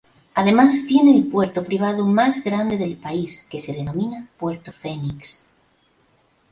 Además tiene el puerto privado más grande del país que se denomina "Puerto Fenix".